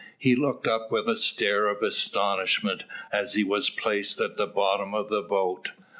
He looked up with a stare of astonishment as he was placed at the bottom of the boat.